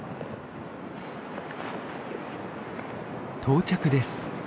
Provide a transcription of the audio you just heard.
到着です。